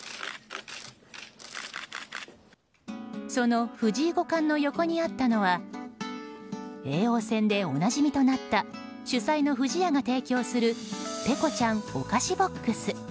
その藤井五冠の横にあったのは叡王戦でおなじみとなった主催の不二家が提供するペコちゃんお菓子ＢＯＸ。